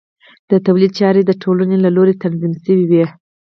د تولید چارې د ټولنو له لوري تنظیم شوې وې.